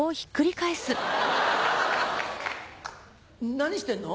何してんの？